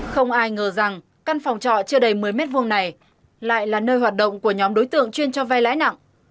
không ai ngờ rằng căn phòng trọ chưa đầy một mươi m hai này lại là nơi hoạt động của nhóm đối tượng chuyên cho vay lãi nặng